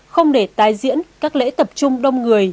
không để tái diễn các lễ tập trung đông người